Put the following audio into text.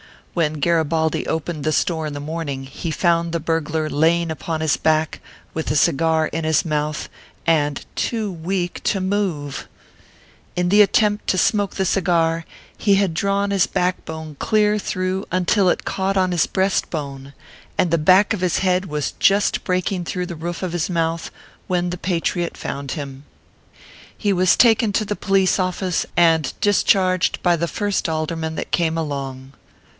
When Garibaldi opened the store in the morning, he found the burglar laying on his back, with a cigar in his mouth, and too iveak to move! In the attempt to smoke the cigar, he had drawn his back bone clear through until it caught on his breast bone, and the back of his head was just breaking through the roof of his mouth, when the patriot found him. He was 302 ORPHEUS C. KERR PAPERS. taken to the police office, and discharged by the first alderman that came along.